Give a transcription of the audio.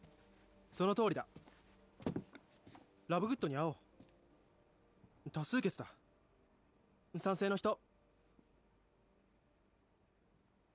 そのとおりだラブグッドに会おう多数決だ賛成の人？